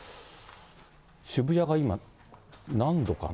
渋谷が今、何度かな？